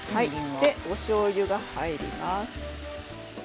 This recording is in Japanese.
そして、おしょうゆが入ります。